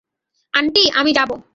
Aunty, আমি যাবো।